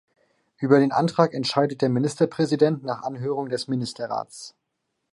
Über den Antrag entscheidet der Ministerpräsident nach Anhörung des Ministerrats.